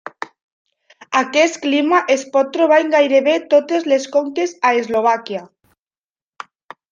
Aquest clima es pot trobar en gairebé totes les conques a Eslovàquia.